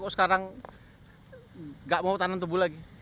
sekarang nggak mau tanam tebu lagi